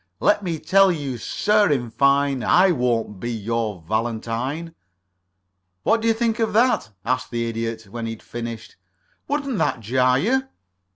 Let me tell you, sir, in fine, I won't be your Valentine. "What do you think of that?" asked the Idiot, when he had finished. "Wouldn't that jar you?"